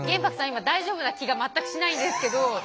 今大丈夫な気が全くしないんですけど。